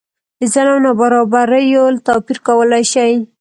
د ظلم نابرابریو توپیر کولای شي.